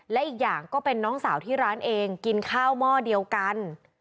และอีกอย่างก็เป็นน้องสาวที่ร้านเองกินข้าวหม้อเดียวกัน